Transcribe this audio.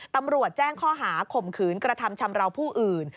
ตำรวจแจ้งข้อหาข่มขืนกระทำชำราวผู้อื่น